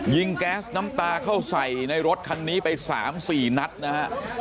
แก๊สน้ำตาเข้าใส่ในรถคันนี้ไป๓๔นัดนะฮะ